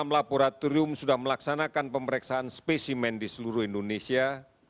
enam laboratorium sudah melaksanakan pemeriksaan spesimen di seluruh indonesia